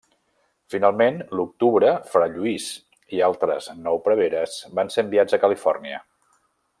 Finalment l'octubre fra Lluís i altres nou preveres van ser enviats a Califòrnia.